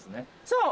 そう！